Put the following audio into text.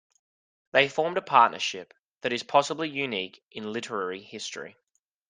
They formed a partnership that is possibly unique in literary history.